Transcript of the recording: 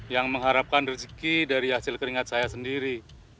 yang mengharapkan rezeki dari hasil keringat saya sendiri